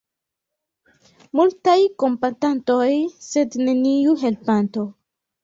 Multaj kompatantoj, sed neniu helpanto.